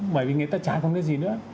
bởi vì người ta chả có cái gì nữa